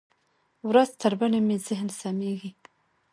ورځ تر بلې مې ذهن سمېږي.